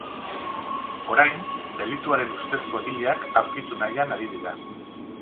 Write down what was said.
Orain delituaren ustezko egileak aurkitu nahian ari dira.